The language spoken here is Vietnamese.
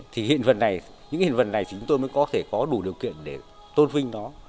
thì những hiện vật này chúng tôi mới có thể có đủ điều kiện để tôn vinh nó